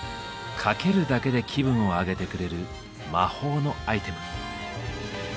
かけるだけで気分を上げてくれる「魔法のアイテム」。